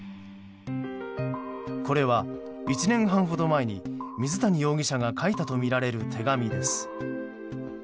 これは１年半ほど前に水谷容疑者が書いたとみられる手紙です。